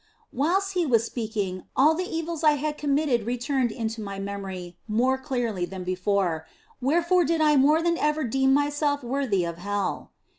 Whilst He was speaking, all the evils I had committed returned into my memory more clearly than before, wherefore did I more than ever deem myself worthy of OF FOLIGNO 165 hell.